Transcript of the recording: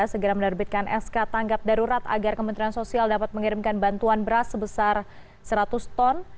segera menerbitkan sk tanggap darurat agar kementerian sosial dapat mengirimkan bantuan beras sebesar seratus ton